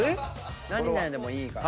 何々でもいいから。